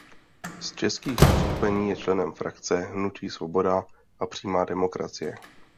Z českých uskupení je členem frakce hnutí Svoboda a přímá demokracie.